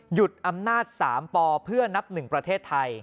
หยุดอำนาจ๓ปเพื่อนับหนึ่งประเทศไทย